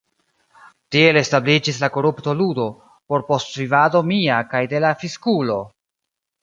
Tiel establiĝis la korupto-ludo, por postvivado mia kaj de la fiskulo!